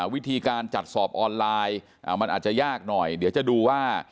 วิธีการจัดสอบออนไลน์มันอาจจะยากหน่อยเดี๋ยวจะดูว่า